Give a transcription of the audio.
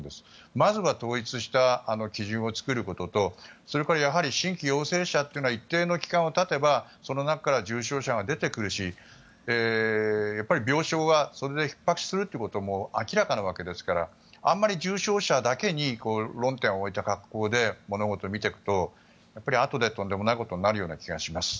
まずは統一した基準を作ることとそれから、新規陽性者というのは一定の期間がたてばその中、重症者が出てくるしやっぱり病床はそれでひっ迫するということは明らかなわけですからあまり重症者だけに論点を置いた格好で物事を見ていくとあとで、とんでもないことになってしまう気がします。